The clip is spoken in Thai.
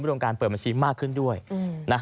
รวมการเปิดบัญชีมากขึ้นด้วยนะ